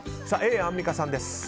Ａ、アンミカさんです。